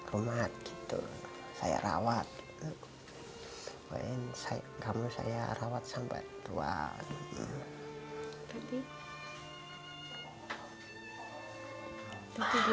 rumah gitu saya rawat wn saya kamu saya rawat sampai tua tapi